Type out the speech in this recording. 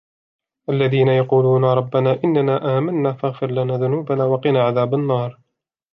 الذين يقولون ربنا إننا آمنا فاغفر لنا ذنوبنا وقنا عذاب النار